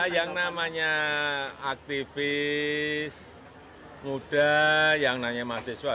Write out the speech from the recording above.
yang namanya aktivis muda yang nanya mahasiswa